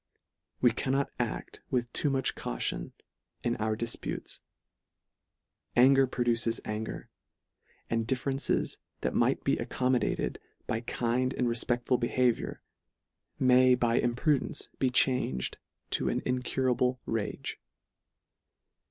We cannot a£t with too much caution in our difputes. Anger produces anger; and differences that might be accommodated by kind and refpeclful behaviour, may by imprudence be changed to an incurable rage.